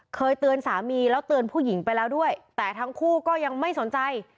เคยเตือนสามีแล้วเตือนผู้หญิงไปแล้วด้วยแต่ทั้งคู่ก็ยังไม่สนใจ